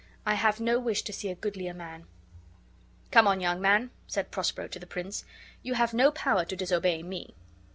I have no wish to see a goodlier man." "Come on, young man," said Prospero to the prince; "you have no power to disobey me."